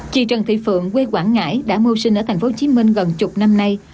chị trần thị phượng quê quảng ngãi đã mưu sinh ở tp hcm gần chục năm nay